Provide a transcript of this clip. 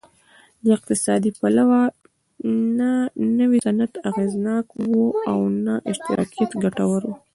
له اقتصادي پلوه نه نوی صنعت اغېزناک و او نه اشتراکیت ګټور و